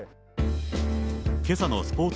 けさのスポーツ